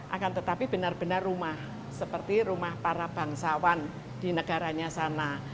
akan tetapi benar benar rumah seperti rumah para bangsawan di negaranya sana